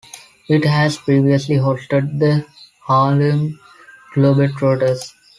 It has previously hosted the Harlem Globetrotters.